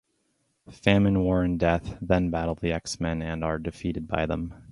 Famine, War, and Death then battle the X-Men and are defeated by them.